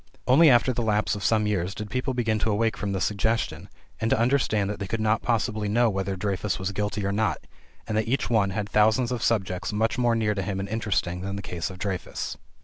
Only after the lapse of some years did people begin to awake from the "suggestion" and to understand that they could not possibly know whether Dreyfus was guilty or not, and that each one had thousands of subjects much more near to him and interesting than the case of Dreyfus.